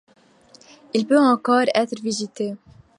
Il peut encore être visité.